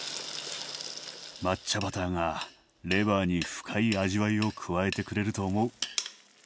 抹茶バターがレバーに深い味わいを加えてくれると思う。